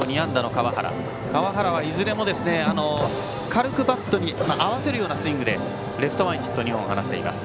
川原はいずれも軽くバットに合わせるようなスイングでレフト前にヒットを２本放っています。